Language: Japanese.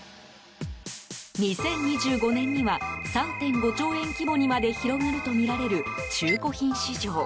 ２０２５年には３．５兆円規模にまで広がるとみられる中古品市場。